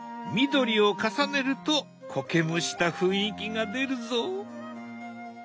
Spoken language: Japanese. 緑を重ねるとこけむした雰囲気が出るぞ。